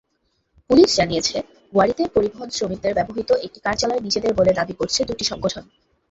Police জানিয়েছে, ওয়ারীতে পরিবহনশ্রমিকদের ব্যবহৃত একটি কার্যালয় নিজেদের বলে দাবি করছে দুটি সংগঠন।